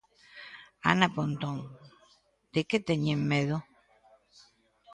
Ana Pontón: De que teñen medo?